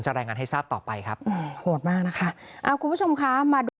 รายงานให้ทราบต่อไปครับโหดมากนะคะอ่าคุณผู้ชมคะมาดู